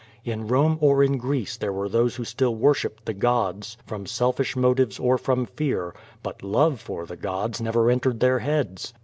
In Bome or in Greece there were those who still worshipped the gods from selfish motives or from fear; but love for the gods never entered their heads.